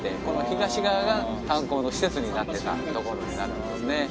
この東側が炭鉱の施設になってた所になるんですね。